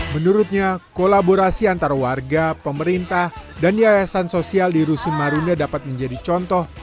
menurutnya kolaborasi antara warga pemerintah dan yayasan sosial di rusun marunda dapat menjadi contoh